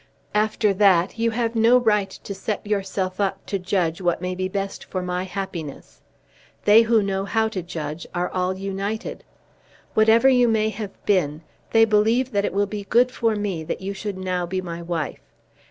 "After that you have no right to set yourself up to judge what may be best for my happiness. They who know how to judge are all united. Whatever you may have been, they believe that it will be good for me that you should now be my wife.